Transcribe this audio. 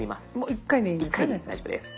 １回で大丈夫です。